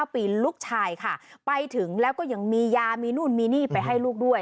ปีลูกชายค่ะไปถึงแล้วก็ยังมียามีนู่นมีนี่ไปให้ลูกด้วย